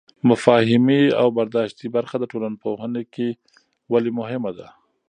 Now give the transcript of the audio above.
مفاهیمي او برداشتي برخه د ټولنپوهنه کې ولې مهمه ده؟